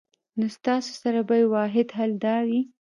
نو ستاسو سره به ئې واحد حل دا وي